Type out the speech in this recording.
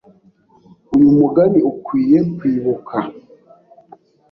Uyu mugani ukwiye kwibuka.